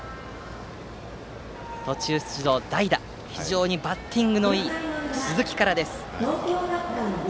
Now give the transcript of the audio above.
途中出場、代打非常にバッティングのいい鈴木からです。